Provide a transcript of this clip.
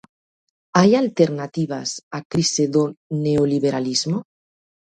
Hai alternativas á crise do neoliberalismo?